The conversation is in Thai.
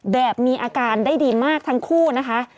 แบบมีอาการได้ดีมากทั้งคู่นะคะ